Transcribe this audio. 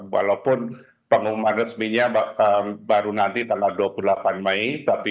walaupun pengumuman resminya baru nanti tanggal dua puluh delapan mei